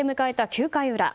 ９回裏。